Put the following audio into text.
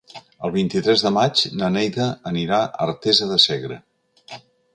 El vint-i-tres de maig na Neida anirà a Artesa de Segre.